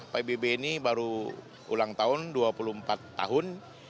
pbb ini baru ulang tahun dua puluh empat tahun